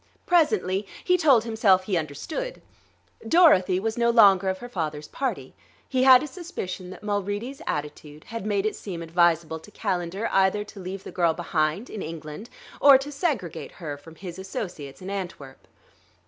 Presently he told himself he understood. Dorothy was no longer of her father's party; he had a suspicion that Mulready's attitude had made it seem advisable to Calendar either to leave the girl behind, in England, or to segregate her from his associates in Antwerp.